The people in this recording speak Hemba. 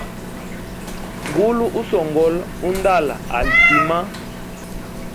Ngulu usongola undala ali tima.